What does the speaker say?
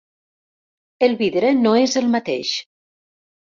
El vidre no és el mateix.